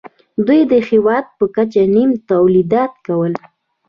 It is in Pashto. دوی د هېواد په کچه نیم تولیدات کول